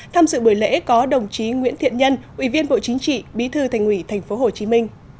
tham dự buổi lễ có đồng chí nguyễn thiện nhân ủy viên bộ chính trị bí thư thành ủy tp hcm